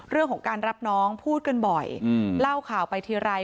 เรื่องของการรับน้องพูดกันบ่อยเล่าข่าวไปทีไร